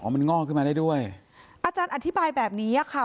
มันงอกขึ้นมาได้ด้วยอาจารย์อธิบายแบบนี้อ่ะค่ะ